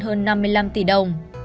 hơn năm mươi năm tỷ đồng